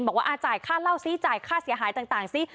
บอกว่าจ่ายค่าเล่าซิจ่ายค่าเสียหายต่างซิ